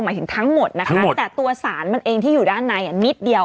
หมายถึงทั้งหมดนะคะแต่ตัวสารมันเองที่อยู่ด้านในนิดเดียว